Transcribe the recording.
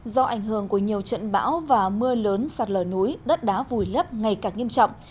do ảnh hưởng của nhiều trận bão và mưa lớn sạt lở núi đất đá vùi lấp ngày càng nghiêm trọng